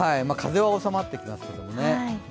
風は収まってきますけどもね。